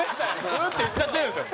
「うん！？」って言っちゃってるんですよ。